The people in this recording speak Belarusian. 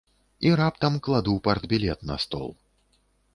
І раптам кладу партбілет на стол.